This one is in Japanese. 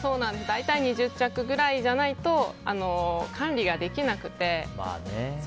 大体２０着くらいじゃないと管理ができなくて。